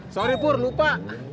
sorry pur lupa